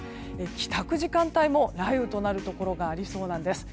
帰宅時間帯も雷雨となるところがありそうなんです。